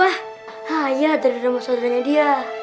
ah iya dari rumah saudaranya dia